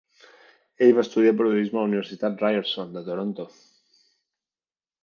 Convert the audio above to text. Ell va estudiar periodisme a la Universitat Ryerson de Toronto.